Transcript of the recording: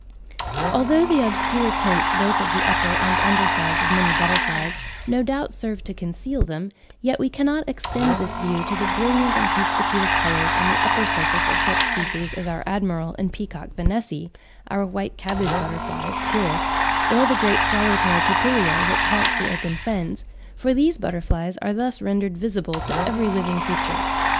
Although the obscure tints both of the upper and under sides of many butterflies no doubt serve to conceal them, yet we cannot extend this view to the brilliant and conspicuous colours on the upper surface of such species as our admiral and peacock Vanessae, our white cabbage butterflies (Pieris), or the great swallow tail Papilio which haunts the open fens—for these butterflies are thus rendered visible to every living creature.